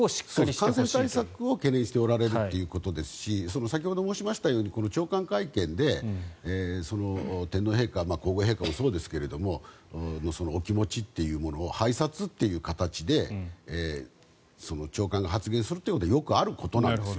感染対策を懸念しておられるということですし先ほど申しましたように長官会見で天皇陛下、皇后さまもそうですがお気持ちというものを拝察という形で長官が発言するということはよくあることなんですよ。